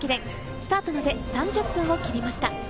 スタートまで３０分を切りました。